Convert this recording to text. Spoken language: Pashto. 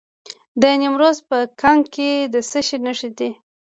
د نیمروز په کنگ کې د څه شي نښې دي؟